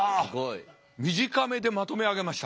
短めでまとめ上げました。